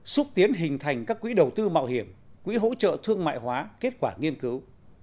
xúc tiến hình thành các quỹ đầu tư mạo hiểm quỹ hỗ trợ thương mại hóa kết quả nghiên cứu